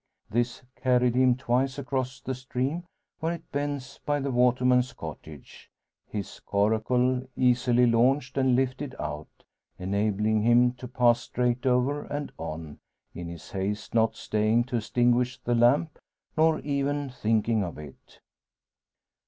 This carried him twice across the stream, where it bends by the waterman's cottage; his coracle, easily launched and lifted out, enabling him to pass straight over and on, in his haste not staying to extinguish the lamp, nor even thinking of it.